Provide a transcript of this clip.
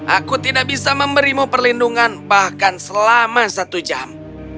aku tidak bisa memberimu perlindungan bahkan selama satu jam